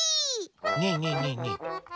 ねえねえねえねえ